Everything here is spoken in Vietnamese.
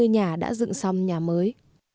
một trăm hai mươi nhà đã dựng xong nhà mới